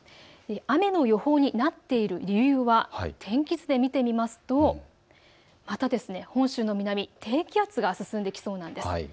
雨の予報になっている理由は天気図で見てみますとまた本州の南、低気圧が進んできそうなんです。